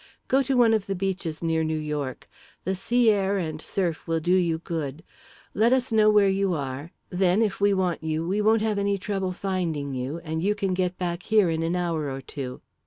"Go to one of the beaches near New York. The sea air and surf will do you good. Let us know where you are; then, if we want you, we won't have any trouble finding you, and you can get back here in an hour or two."